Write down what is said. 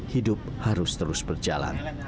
hidup harus terus berjalan